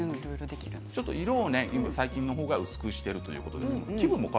色を最近のほうは薄くしているということなんです。